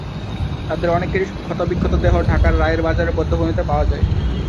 তাদের অনেকেরই ক্ষতবিক্ষত দেহ ঢাকার রায়ের বাজারের বধ্যভূমিতে পাওয়া যায়।